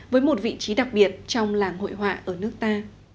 với một vị trí đặc biệt trong làng hội họa ở nước ta